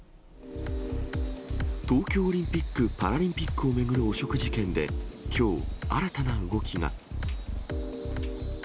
東京オリンピック・パラリンピックを巡る汚職事件で、きょう、新たな動きが。